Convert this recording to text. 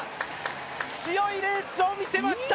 強いレースを見せました！